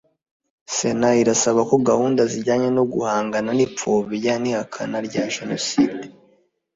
Sena irasaba ko gahunda zijyanye no guhangana n ipfobya n ihakana rya jenoside